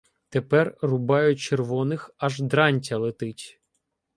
Тепер рубають червоних, аж дрантя летить.